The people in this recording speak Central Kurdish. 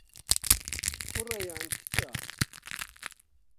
کوڕە یان کچە؟